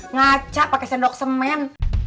ngaca pake sendok semen